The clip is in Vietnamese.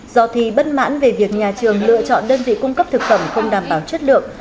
do thi bất mãn về việc nhà trường lựa chọn đơn vị cung cấp thực phẩm không đảm bảo chất lượng